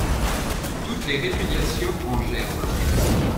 toutes les répudiations en germe ?